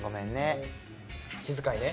気遣いね。